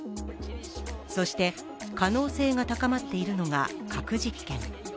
そして、可能性が高まっているのが核実験。